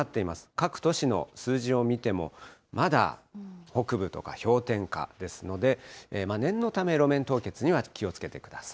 各都市の数字を見ても、まだ北部とか氷点下ですので、念のため、路面凍結には気をつけてください。